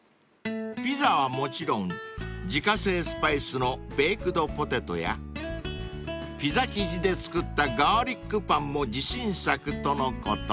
［ピザはもちろん自家製スパイスのベイクドポテトやピザ生地で作ったガーリックパンも自信作とのこと］